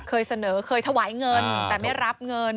เคยเสนอเคยถวายเงินแต่ไม่รับเงิน